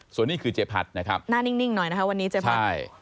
ส่วนนี้คือเจ๊พัดนะครับหน้านิ่งหน่อยนะคะวันนี้เจ๊พัดใช่